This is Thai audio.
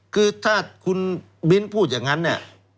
คือถ้าคุณบิ๊นท์พูดอย่างนั้น